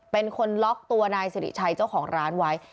เป็นคนล็อกตัวนายสิริชัยเจ้าของร้านไว้